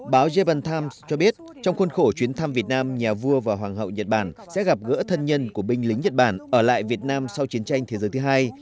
báo japan times cho biết trong khuôn khổ chuyến thăm việt nam nhà vua và hoàng hậu nhật bản sẽ gặp gỡ thân nhân của binh lính nhật bản ở lại việt nam sau chiến tranh thế giới thứ hai